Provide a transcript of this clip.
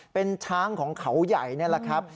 เป็นช้างของเขาใหญ่นี่แหละครับ